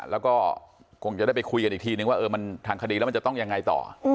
แล้วก็คงจะได้ไปคุยกันอีกทีนึงว่ามันทางคดีแล้วมันจะต้องยังไงต่อ